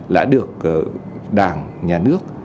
đã được đảng nhà nước